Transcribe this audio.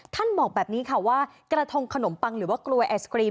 บอกแบบนี้ค่ะว่ากระทงขนมปังหรือว่ากลวยไอศกรีม